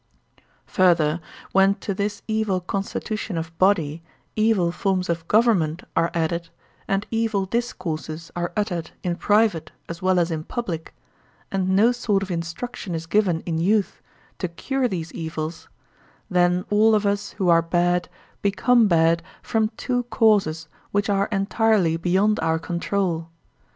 Further, when to this evil constitution of body evil forms of government are added and evil discourses are uttered in private as well as in public, and no sort of instruction is given in youth to cure these evils, then all of us who are bad become bad from two causes which are entirely beyond our control.